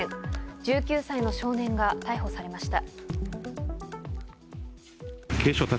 １９歳の少年が逮捕されました。